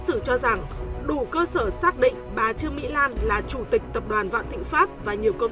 xử cho rằng đủ cơ sở xác định bà trương mỹ lan là chủ tịch tập đoàn vạn thịnh pháp và nhiều công